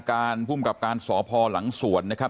การพุมกับการสอบพ่อหลังสวนนะครับ